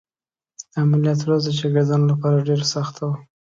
د عملیات ورځ د شاګردانو لپاره ډېره سخته وه.